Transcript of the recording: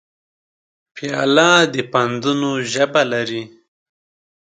پیاله د پندونو ژبه لري.